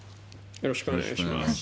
よろしくお願いします。